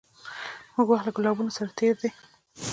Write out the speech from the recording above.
موږه وخت له ګلابونو سره تېر دی